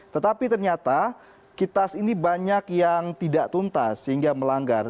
tetapi ternyata kitas ini banyak yang tidak tuntas sehingga melanggar